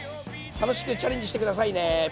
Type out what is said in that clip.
楽しくチャレンジして下さいね。